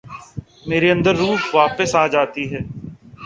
میرے اندر روح واپس آ جاتی ہے ۔